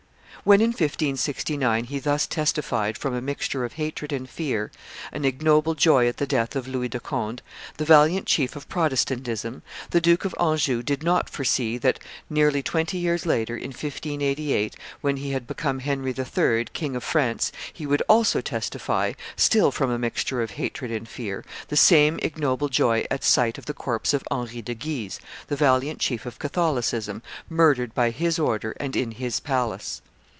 When in 1569 he thus testified, from a mixture of hatred and fear, an ignoble joy at the death of Louis de Conde, the valiant chief of Protestantism, the Duke of Anjou did not foresee that, nearly twenty years later, in 1588, when he had become Henry III., King of France, he would also testify, still from a mixture of hatred and fear, the same ignoble joy at sight of the corpse of Henry de Guise, the valiant chief of Catholicism, murdered by his order and in his palace.